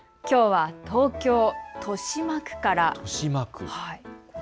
きょうは東京豊島区から。